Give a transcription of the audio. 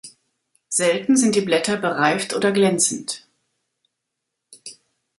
Selten sind die Blätter bereift oder glänzend.